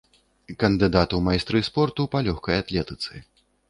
Кандыдат у майстры спорту па лёгкай атлетыцы.